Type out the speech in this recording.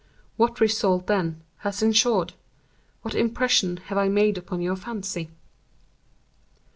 What result, then, has ensued? What impression have I made upon your fancy?"